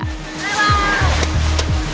kerajaan larang tuka